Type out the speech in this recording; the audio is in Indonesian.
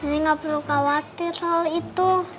nenek nggak perlu khawatir hal itu